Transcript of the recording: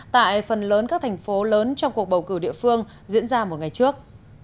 tại phần lớn các thành phố lớn trong cuộc bầu cử địa phương diễn ra một ngày trước